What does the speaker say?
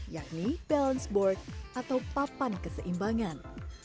yang ini balance board atau papan keseimbangan